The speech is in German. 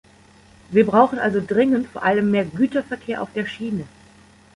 Wir brauchen also dringend vor allem mehr Güterverkehr auf der Schiene.